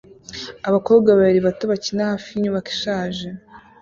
Abakobwa babiri bato bakina hafi yinyubako ishaje